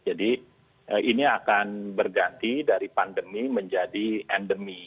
jadi ini akan berganti dari pandemi menjadi endemi